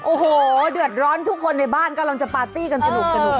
โอ้โหเดือดร้อนทุกคนในบ้านกำลังจะปาร์ตี้กันสนุก